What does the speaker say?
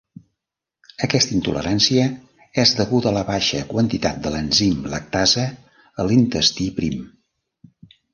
Aquesta intolerància és deguda a la baixa quantitat de l'enzim lactasa a l'intestí prim.